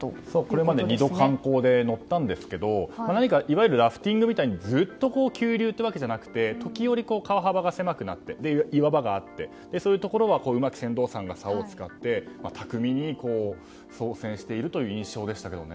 これまで２度観光で乗ったんですけど何かずっと急流というわけじゃなくて時折、川幅が狭くなって岩場があって、そういうところはうまく船頭さんが、さおを使って巧みに操船しているという印象でしたけどね。